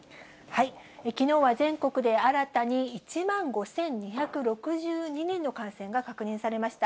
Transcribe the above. きのうは全国で新たに１万５２６２人の感染が確認されました。